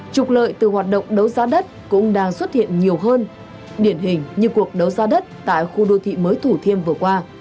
trục lợi từ hoạt động đấu giá đất cũng đang xuất hiện nhiều hơn điển hình như cuộc đấu giá đất tại khu đô thị mới thủ thiêm vừa qua